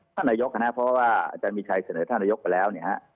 ท่านนายกนะครับเพราะว่าอาจารย์มีชัยเสนอท่านนายกไปแล้วเนี่ยฮะ